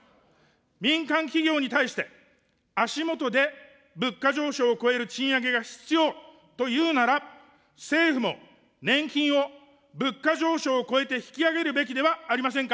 民間企業に対して、足下で物価上昇を超える賃上げが必要というなら、政府も年金を物価上昇を超えて引き上げるべきではありませんか。